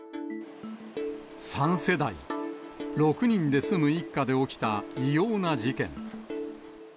３世代６人で住む一家で起きた異様な事件。